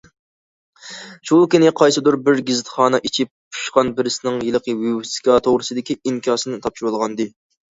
شۇ كۈنى قايسىدۇر بىر گېزىتخانا ئىچى پۇشقان بىرسىنىڭ ھېلىقى ۋىۋىسكا توغرىسىدىكى ئىنكاسىنى تاپشۇرۇۋالغانىدى.